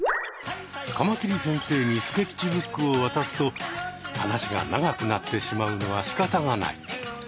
カマキリ先生にスケッチブックをわたすと話が長くなってしまうのはしかたがない。